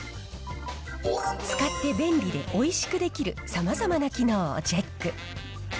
使って便利でおいしく出来る、さまざまな機能をチェック。